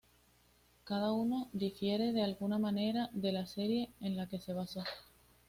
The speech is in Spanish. Cada uno difiere de alguna manera de la serie en la que se basó.